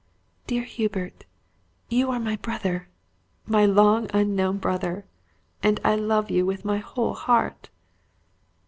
"Dear Hubert, you are my brother my long unknown brother, and I love you with my whole heart!"